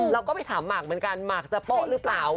เราก็ไปถามหมากเหมือนกันหมากจะโป๊ะหรือเปล่า